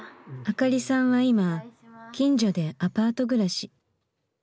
あかりさんは今近所でアパート暮らし。